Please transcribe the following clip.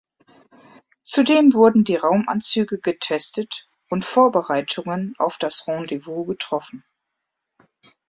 Zudem wurden die Raumanzüge getestet und Vorbereitungen auf das Rendezvous getroffen.